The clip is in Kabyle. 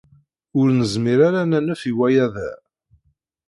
Ur nezmir ara ad nanef i waya da.